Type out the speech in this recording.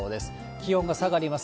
気温が下がります。